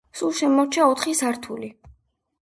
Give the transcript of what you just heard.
სულ შემორჩა ოთხი სართული.